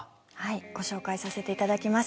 ご紹介させていただきます。